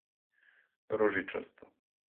Ружичаста